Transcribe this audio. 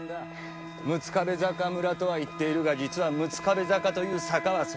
六壁坂村とは言っているが実は六壁坂という坂は存在しない。